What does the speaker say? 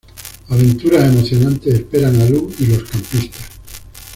Aventuras emocionantes esperan a Lou y los campistas.